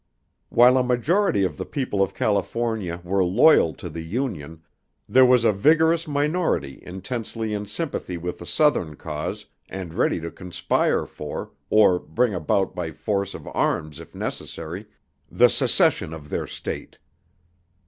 While a majority of the people of California were loyal to the Union, there was a vigorous minority intensely in sympathy with the southern cause and ready to conspire for, or bring about by force of arms if necessary, the secession of their state.